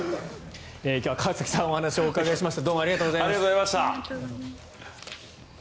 今日は川崎さんにお話を伺いました。